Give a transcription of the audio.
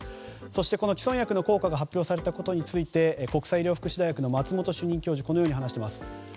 そして既存薬の効果が発表されたことについて国際医療福祉大学の松本哲哉主任教授はこう話しています。